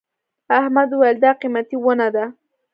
احمد وويل: دا قيمتي ونه ده.